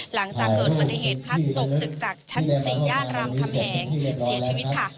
หลังจากเกิดปันเทศภัทรตกศึกจากชั้น๔ย่านรามคำแหงเสียชีวิตค่ะ